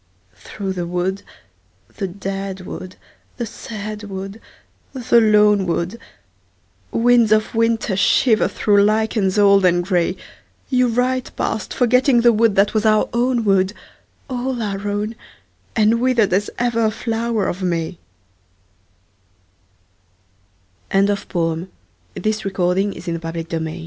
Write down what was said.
Through the wood, the dead wood, the sad wood, the lone wood, Winds of winter shiver through lichens old and grey, You ride past forgetting the wood that was our own wood, All our own and withered as ever a flower of May. 52 A POMANDER OF VERSE A KENTISH GA